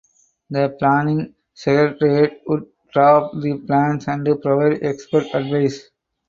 The planning secretariat would draft the plans and provide expert advice.